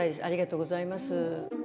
ありがとうございます。